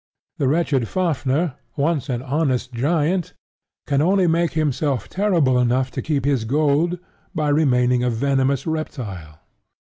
The wretched Fafnir, once an honest giant, can only make himself terrible enough to keep his gold by remaining a venomous reptile.